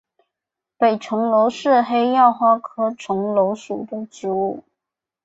北重楼是黑药花科重楼属的植物。